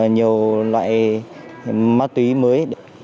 nhiều loại ma túy mới